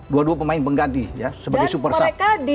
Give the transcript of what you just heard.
dua dua pemain pengganti ya sebagai super star